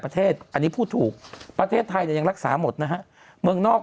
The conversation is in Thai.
ประเทศอันนี้พูดถูกประเทศไทยเนี่ยยังรักษาหมดนะฮะเมืองนอก